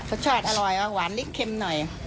รสชาติอร่อยหวานลิกเค็มหน่อย